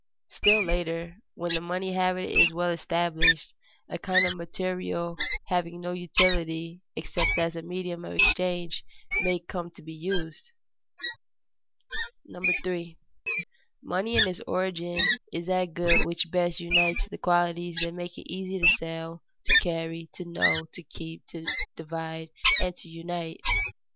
Still later, when the money habit is well established, a kind of material having no utility except as a medium of exchange may come to be used. [Sidenote: Qualities of the primitive money] 3. _Money in its origin is that good which best unites the qualities that make it easy to sell, to carry, to know, to keep, to divide, and unite.